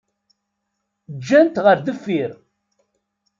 Ǧǧan-t ɣer deffir.